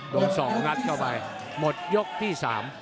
สองงัดเข้าไปหมดยกที่๓